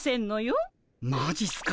マジっすか？